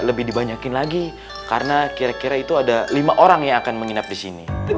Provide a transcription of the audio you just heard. lebih dibanyakin lagi karena kira kira itu ada lima orang yang akan menginap di sini